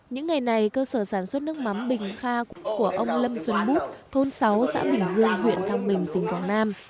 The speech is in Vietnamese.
những ngày này cơ sở sản xuất nước mắm bình kha của ông lâm xuân bút thôn sáu xã bình dương huyện thăng bình tỉnh quảng nam